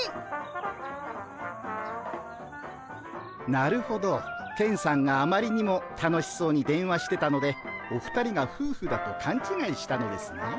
なるほどケンさんがあまりにも楽しそうに電話してたのでお二人がふうふだとかんちがいしたのですね。